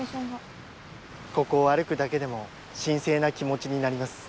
・ここを歩くだけでも神聖な気持ちになります。